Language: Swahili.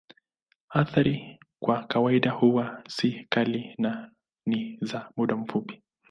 Athari kwa kawaida huwa si kali na ni za muda mfupi.